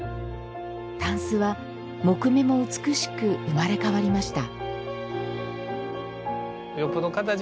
たんすは、木目も美しく生まれ変わりました。